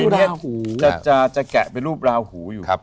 นี่แม้จะแกะเป็นรูปลาหูอยู่